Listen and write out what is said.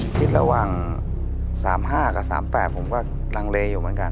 ผมคิดระวัง๓๕กับ๓๘ผมก็ลังเลอยู่เหมือนกัน